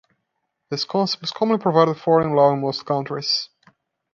This concept is commonly provided for in law in most countries.